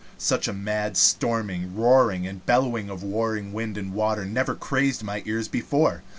Such a mad storming, roaring, and bellowing of warring wind and water never crazed my ears before.